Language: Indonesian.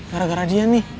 gara gara dia nih